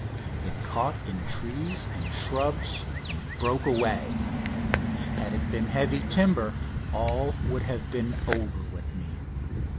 It caught in trees and shrubs and broke away. Had it been heavy timber all would have been over with me.